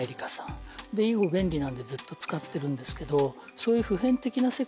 以後便利なんでずっと使ってるんですけどそういう。